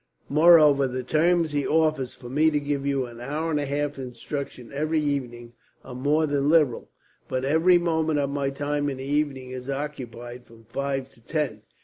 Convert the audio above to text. Moreover, the terms he offers, for me to give you an hour and a half's instruction every evening, are more than liberal. But every moment of my time in the evening is occupied, from five to ten.